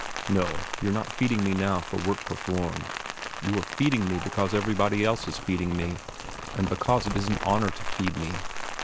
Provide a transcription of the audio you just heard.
No; you're not feeding me now for work performed. You are feeding me because everybody else is feeding me and because it is an honor to feed me.